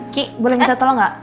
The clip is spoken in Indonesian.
ki boleh minta tolong gak